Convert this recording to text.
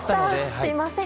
すみません。